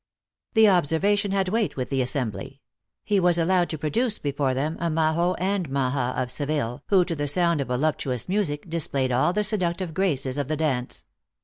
The observation had weight with the assembly. He was allowed to produce before them a majo and a maja of Seville, who, to the sound of voluptuous music, displayed all the seductive graces of the dance.